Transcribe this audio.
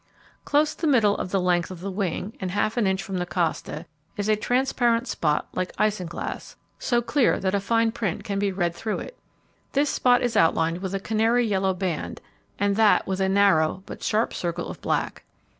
Close the middle of the length of the wing, and half an inch from the costa, is a transparent spot like isinglass, so clear that fine print can be read through it. This spot is outlined with a canary yellow band, and that with a narrow, but sharp circle of black.